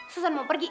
susan mau pergi